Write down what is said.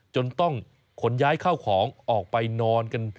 จนต้องขนย้ายเข้าของออกไปนอนกัน